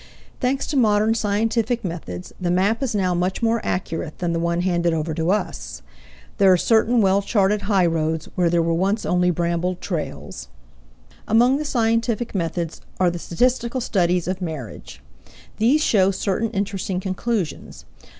Thanks to modern scientific methods, the map is now much more accurate than the one handed over to us. There are certain well charted highroads where there were once only brambled trails. Among the scientific methods are the statistical studies of marriage; these show certain interesting conclusions.